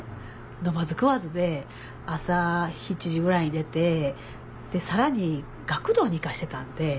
飲まず食わずで朝７時ぐらいに出てさらに学童に行かしてたんで。